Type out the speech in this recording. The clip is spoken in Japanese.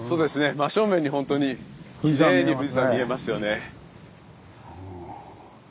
真正面にほんとにきれいに富士山見えますよね。